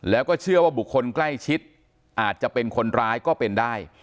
แล้วก็เชื่อว่าบุคคลใกล้ชิดอาจจะเป็นคนร้ายก็เป็นได้